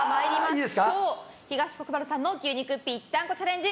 東国原さんの牛肉ぴったんこチャレンジ